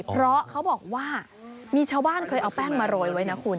เพราะเขาบอกว่ามีชาวบ้านเคยเอาแป้งมาโรยไว้นะคุณ